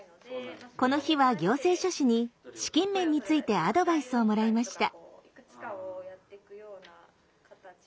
この日は行政書士に資金面についてアドバイスをもらいました。